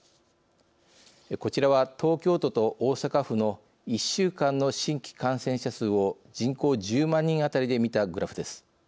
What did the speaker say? こちらは東京都と大阪府の１週間の新規感染者数を人口１０万人あたりで見たグラフです。